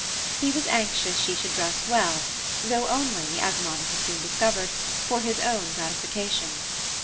He was anxious she should dress well, though only, as Monica soon discovered, for his own gratification.